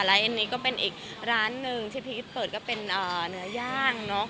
และอันนี้ก็เป็นอีกร้านหนึ่งที่พี่อีทเปิดก็เป็นเนื้อย่างเนอะ